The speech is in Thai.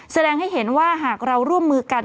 แสดงให้เห็นว่าหากเราร่วมมือกัน